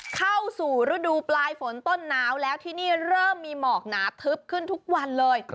เข้าสู่ฤดูปลายฝนต้นหนาวแล้วที่นี่เริ่มมีหมอกหนาทึบขึ้นทุกวันเลย